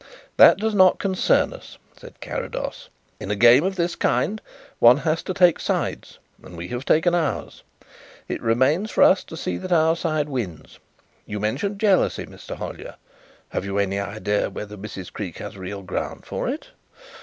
"That does not concern us," said Carrados. "In a game of this kind one has to take sides and we have taken ours. It remains for us to see that our side wins. You mentioned jealousy, Mr. Hollyer. Have you any idea whether Mrs. Creake has real ground for it?"